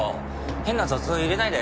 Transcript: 変な雑音入れないで。